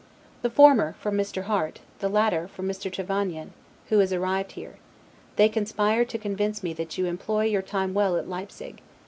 The former, from Mr. Harte; the latter, from Mr. Trevanion, who is arrived here: they conspire to convince me that you employ your time well at Leipsig.